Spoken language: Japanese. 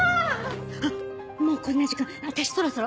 あっもうこんな時間私そろそろ。